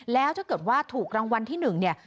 แล้วถ้าเกิดว่าถูกรางวัลที่๑เนี่ย